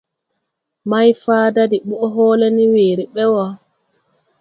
Mayfaada de ɓɔʼ hɔɔlɛ ne weere ɓɛ wɔ.